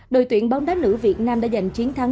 đội tuyển bóng đá nữ việt nam đã giành chiến thắng